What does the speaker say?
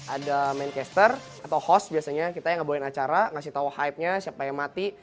ada manchester atau host biasanya kita yang ngabuin acara ngasih tau hype nya siapa yang mati